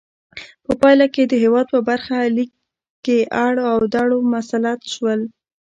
په پایله کې د هېواد په برخه لیک کې اړ او دوړ مسلط شول.